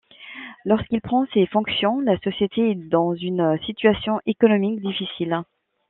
Lorsqu’il prend ses fonctions, la société est dans une situation économique difficile.